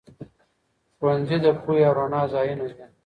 ښوونځي د پوهې او رڼا ځايونه دي.